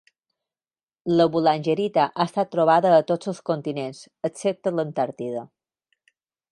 La boulangerita ha estat trobada a tots els continents, excepte l'Antàrtida.